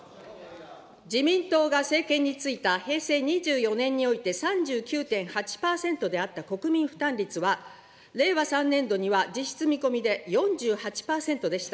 自民党が政権についた平成２４年において３９．８％であった国民負担率は、令和３年度には実質見込みで４８％でした。